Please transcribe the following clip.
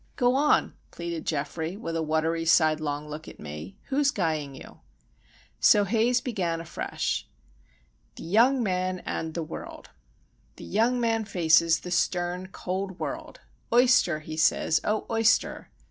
"Go on," pleaded Geoffrey, with a watery, sidelong look at me. "Who's guying you?" So Haze began afresh,— THE YOUNG MAN AND THE WORLD. The young man faces the stern, cold world,— "Oyster!" he says, "O oyster!